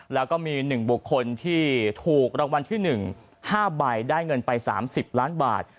แล้วก็มี๑บุคคลที่ถูกรางวัลที่๑๕ใบได้เงินไป๓๐ล้านบาท